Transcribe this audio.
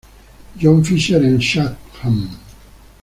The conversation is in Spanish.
John Fisher en Chatham.